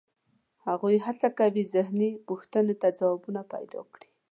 هغوی هڅه کوي ذهني پوښتنو ته ځوابونه پیدا کړي.